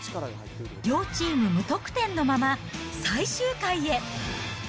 両チーム無得点のまま、最終回へ。